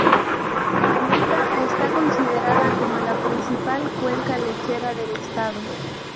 Jonuta está considerada como la principal cuenca lechera del estado.